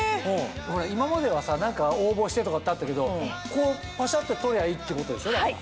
今まではさ応募してとかってあったけどパシャって撮りゃいいってことでしょ？